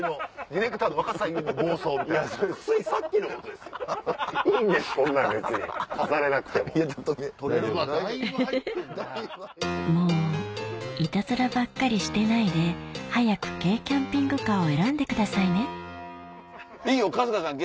フフフフもういたずらばっかりしてないで早く軽キャンピングカーを選んでくださいねいいよ春日さん